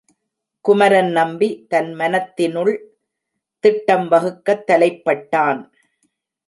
குமரன் நம்பி தன் மனத்தினுள் திட்டம் வகுக்கத் தலைப்பட்டான்.